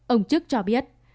ông trức cho biết